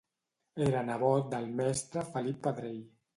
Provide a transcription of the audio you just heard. Era nebot del mestre Felip Pedrell.